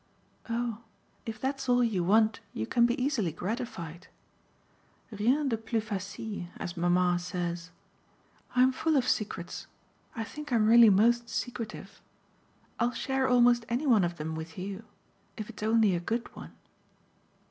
"Oh if that's all you want you can be easily gratified. Rien de plus facile, as mamma says. I'm full of secrets I think I'm really most secretive. I'll share almost any one of them with you if it's only a good one."